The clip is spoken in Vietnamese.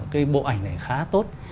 cái bộ ảnh này khá tốt